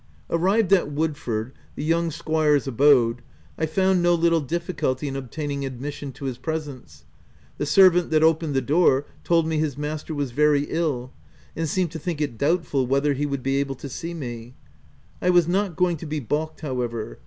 Arrived at Woodford, the young squire's abode, I found no little difficulty in obtaining admission to his presence. The servant that opened the door told me his master was very ill, and seemed to think it doubtful whether he would be able to see me. I was not going to be balked however.